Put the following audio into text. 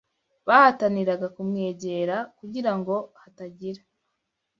Bahataniraga kumwegera kugira ngo hatagira